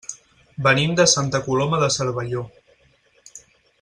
Venim de Santa Coloma de Cervelló.